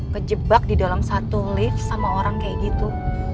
kejebak di dalam satu lift sama orang kayak gitu